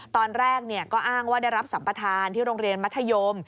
ตอนแรกก็อ้างว่าได้รับสัมปทานที่โรงเรียนมัธยม